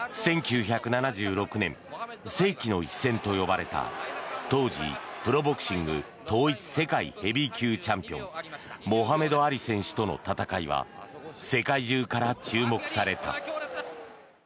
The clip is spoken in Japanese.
１９７６年世紀の一戦と呼ばれた当時、プロボクシング統一世界ヘビー級チャンピオンモハメド・アリ選手との戦いは世界中から注目された。